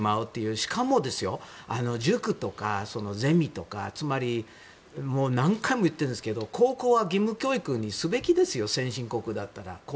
しかも、塾とかゼミとかつまり何回も言っていますが高校は義務教育にすべきですよ先進国だったら。